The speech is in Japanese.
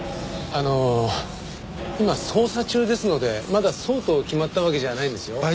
あの今捜査中ですのでまだそうと決まったわけじゃないんですよ。